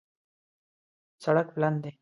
سړک پلن دی